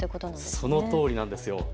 そのとおりなんですよ。